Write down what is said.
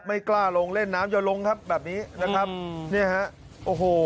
ไม่กล้าลงเล่นน้ำอย่าลงครับแบบนี้นะครับเนี่ยฮะโอ้โห